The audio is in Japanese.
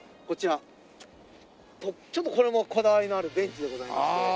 こちらちょっとこれもこだわりのあるベンチでございまして。